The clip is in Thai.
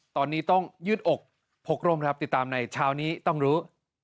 ตอนนี้ต้องยืดอกพกร่มครับติดตามในเช้านี้ต้องรู้